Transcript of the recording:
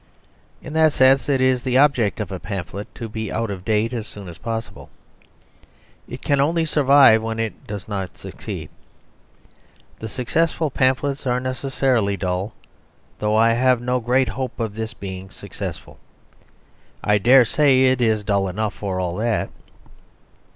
In that sense it is the ob ject of a pamphlet to be out of date as soon as possible. It can only survive when it does not succeed. The successful pamphlets are necessarily dull ; and though I have no great hopes of this being successful, I dare say it is dull enough for all that.